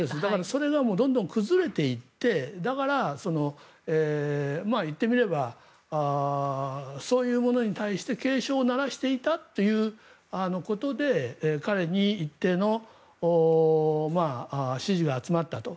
それがどんどん崩れていって言ってみればそういうものに対して警鐘を鳴らしていたということで彼に一定の支持が集まったと。